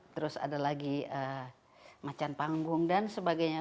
terus ada lagi macan panggung dan sebagainya